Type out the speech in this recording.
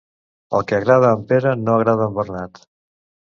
El que agrada a en Pere no agrada a en Bernat.